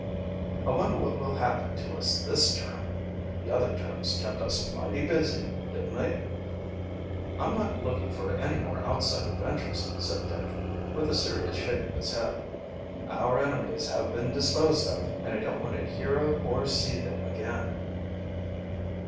"I wonder what will happen to us this term? The other terms kept us mighty busy, didn't they?" "I'm not looking for any more outside adventures," said Dick, with a serious shake of his head. "Our enemies have been disposed of, and I don't want, to hear of or see them again."